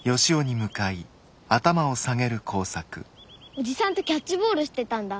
おじさんとキャッチボールしてたんだ。